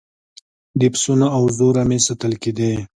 د پسونو او وزو رمې ساتل کیدې